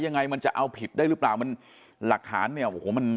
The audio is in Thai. ยังไงมันจะเอาผิดได้หรือเปล่ามันหลักฐานเนี่ยโอ้โหมัน